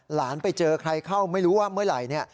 หลานไปเจอใครเข้าไม่รู้ว่าเมื่อไหร่เนี่ย